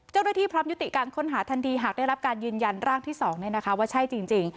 เจ้าหน้าที่พร้อมยุติการค้นหาทันทีหากได้รับการยืนยันร่างที่๒ว่าใช่จริง